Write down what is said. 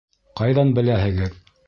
Ҡайҙан беләһегеҙ?